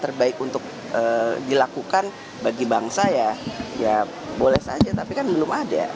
terbaik untuk dilakukan bagi bangsa ya ya boleh saja tapi kan belum ada